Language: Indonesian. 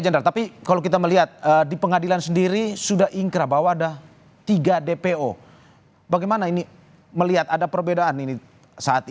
general tapi kalau kita melihat di pengadilan sendiri sudah ingkra bahwa ada tiga dpo bagaimana ini melihat ada perbedaan ini saat ini